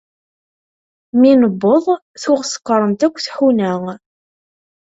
Mi newweḍ tuɣ sekkṛent akk tḥuna.